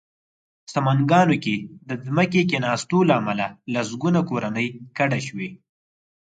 سمنګانو کې د ځمکې کېناستو له امله لسګونه کورنۍ کډه شوې